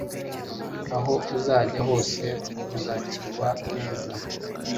Aho uzajya hose uzakirwa neza